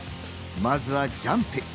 まずはジャンプ。